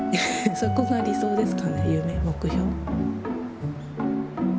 そこが理想ですかね夢目標。